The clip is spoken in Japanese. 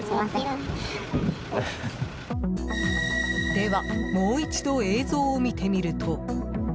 では、もう一度映像を見てみると。